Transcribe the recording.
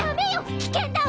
危険だわ‼